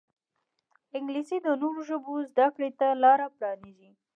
انګلیسي د نورو ژبو زده کړې ته لاره پرانیزي